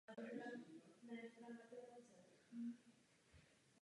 Velká část města se rozprostírá na pravé straně řeky Hron.